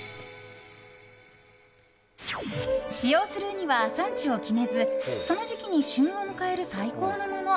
使用するウニは産地を決めずその時期に旬を迎える最高のもの。